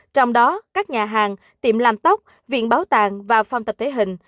trong đó các nhà hàng tiệm làm tóc viện báo tàng và phong tập thể hình